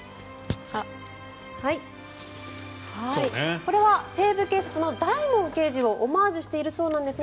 これは「西部警察」の大門刑事をオマージュしているそうなんですが。